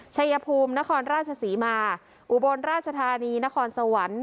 ชัยภูมินครราชศรีมาอุบลราชธานีนครสวรรค์